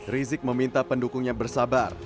rizik meminta pendukungnya bersabar